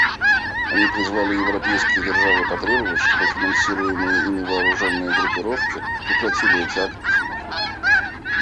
Они призвали европейские державы потребовать, чтобы финансируемые ими вооруженные группировки прекратили эти акты ксенофобии.